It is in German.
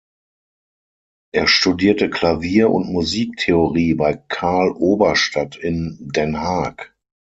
Er studierte Klavier und Musiktheorie bei Carl Oberstadt in Den Haag.